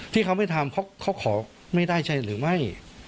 ที่เขาไม่ทำเพราะเขาขอไม่ได้ใช่หรือไม่